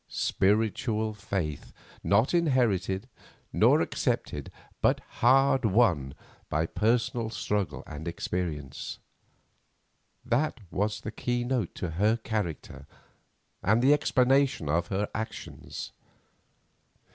Spiritual faith, not inherited, nor accepted, but hard won by personal struggle and experience; that was the key note to her character and the explanation of her actions.